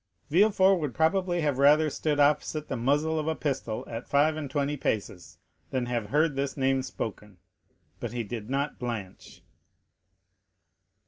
Villefort would probably have rather stood opposite the muzzle of a pistol at five and twenty paces than have heard this name spoken; but he did not blanch.